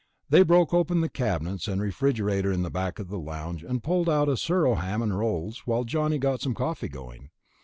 They broke open the cabinets and refrigerator in the back of the lounge and pulled out surro ham and rolls, while Johnny got some coffee going.